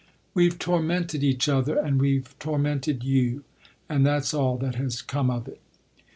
"We've tormented each other and we've tormented you and that's all that has come of it."